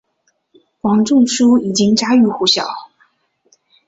王仲殊已经家喻户晓。